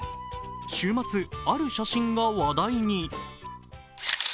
週末、ある写真が話題に。